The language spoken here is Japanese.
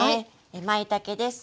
まいたけです。